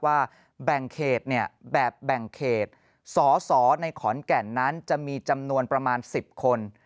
ว่าแบ่งเขตแบบแบ่งเขตสอสอในขอนแก่นนั้นจะมีจำนวนประมาณ๑๐คน